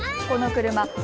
この車